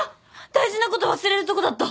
大事なこと忘れるとこだった。